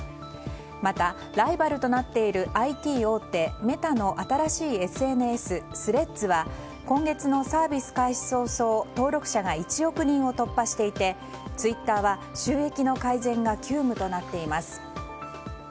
また、ライバルとなっているＩＴ大手メタの新しいＳＮＳスレッズは今月のサービス開始早々登録者が１億人を突破していてツイッターは収益の改善が急務となっています。